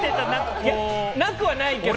なくはないけどね。